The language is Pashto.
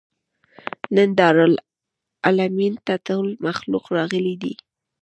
نن دارالمعلمین ته ټول مخلوق راغلى دی.